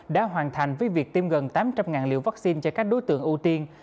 đã hoàn thành với việc tiêm gần tám trăm linh liều vaccine cho các đối tượng ưu tiên